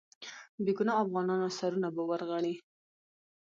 بې ګناه افغانانو سرونه به ورغړي.